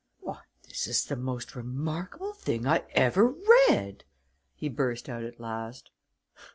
"Why, this is the most remarkable thing I ever read!" he burst out at last.